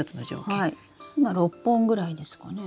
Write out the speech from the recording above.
今６本ぐらいですかね？